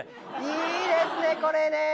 いいですねこれね。